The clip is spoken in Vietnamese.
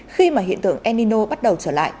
khi mà hiện tượng el nino bắt đầu trở lại